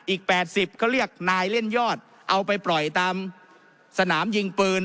อีก๘๐เขาเรียกนายเล่นยอดเอาไปปล่อยตามสนามยิงปืน